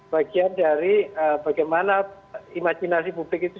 bagian dari bagaimana imajinasi publik itu